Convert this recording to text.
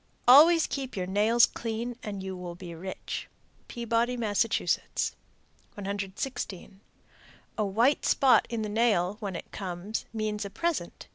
Always keep your nails clean and you will be rich. Peabody, Mass. 116. A white spot in the nail, when it comes, means a present.